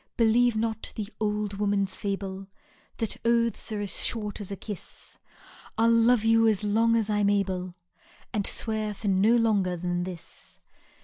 Believe not the old woman's fable^ That oaths are as short as a kiss ; I 'U love you as long as I 'm able^ And swear for no longer than this.